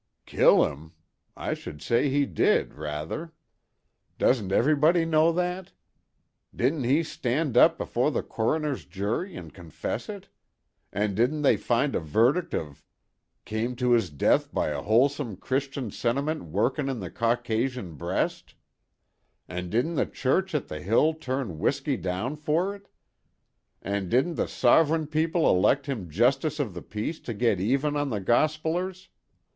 "Kill 'im? I should say he did, rather. Doesn't everybody know that? Didn't he stan' up before the coroner's jury and confess it? And didn't they find a verdict of 'Came to 'is death by a wholesome Christian sentiment workin' in the Caucasian breast'? An' didn't the church at the Hill turn W'isky down for it? And didn't the sovereign people elect him Justice of the Peace to get even on the gospelers?